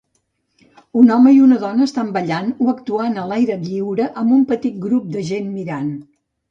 Un home i una dona estan ballant o actuant a l'aire lliure amb un petit grup de gent mirant.